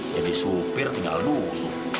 jadi supir tinggal duduk